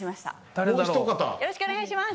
よろしくお願いします